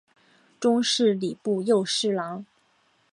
终仕礼部右侍郎。